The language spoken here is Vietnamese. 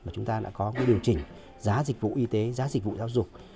mà chúng ta đã có điều chỉnh giá dịch vụ y tế giá dịch vụ giáo dục